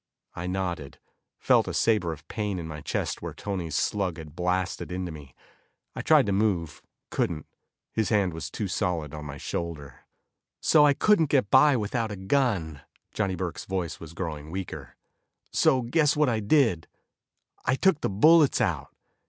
I nodded, felt a sabre of pain in my chest where Tony's slug had blasted into me. I tried to move, couldn't, his hand was too solid on my shoulder. "So I couldn't get by without a gun," Johnny Burke's voice was growing weaker. "So guess what I did I took the bullets out.